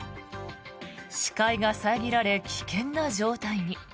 視界が遮られ危険な状態に。